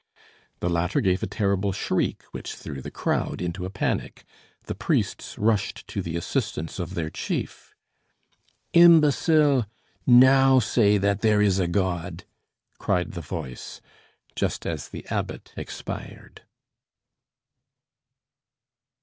The latter gave a terrible shriek, which threw the crowd into a panic. The priests rushed to the assistance of their chief. "Imbecile! Now say that there is a God!" cried the voice, just as the Abbot expired.